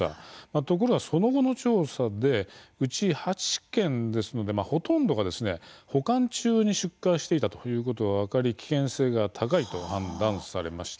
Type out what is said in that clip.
ところがその後の調査でうち８件ですのでほとんどが保管中に出火していたということが分かり危険性が高いと判断されました。